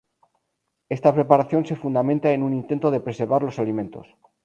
Esta preparación se fundamenta en un intento de preservar los alimentos.